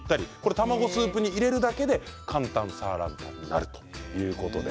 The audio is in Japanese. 卵スープに入れるだけで簡単サンラータンになるということです。